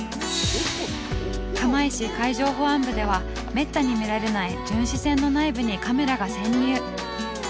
釜石海上保安部ではめったに見られない巡視船の内部にカメラが潜入！